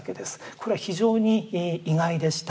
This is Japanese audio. これは非常に意外でした。